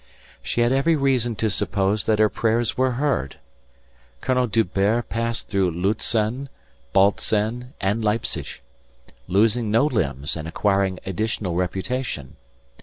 She had every reason to suppose that her prayers were heard. Colonel D'Hubert passed through Lutzen, Bautzen, and Leipsic, losing no limbs and acquiring additional reputation.